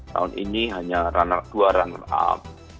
tahun ini hanya dua runner up